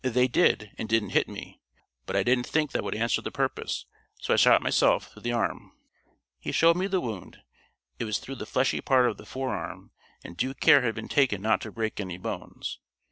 "They did, and didn't hit me; but I didn't think that would answer the purpose. So I shot myself through the arm." He showed me the wound. It was through the fleshy part of the forearm, and due care had been taken not to break any bones.